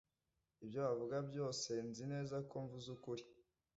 Ibyo wavuga byose nzi neza ko mvuze ukuri